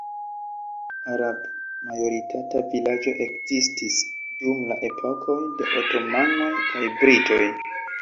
Arab-majoritata vilaĝo ekzistis dum la epokoj de Otomanoj kaj Britoj.